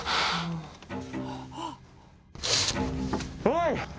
おい！